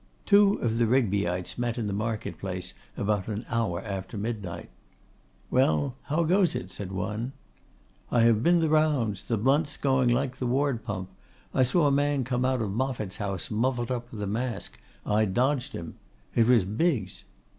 Two of the Rigbyites met in the market place about an hour after midnight. 'Well, how goes it?' said one. 'I have been the rounds. The blunt's going like the ward pump. I saw a man come out of Moffatt's house, muffled up with a mask on. I dodged him. It was Biggs.